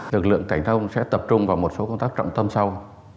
lực lượng cảnh thông sẽ tập trung vào một số công tác trọng tâm sau